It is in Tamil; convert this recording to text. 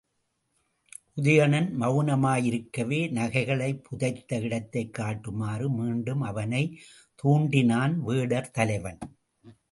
உதயணன் மெளனமாயிருக்கவே நகைகளைப் புதைத்த இடத்தைக் காட்டுமாறு மீண்டும் அவனைத் தூண்டினான் வேடர் தலைவன்.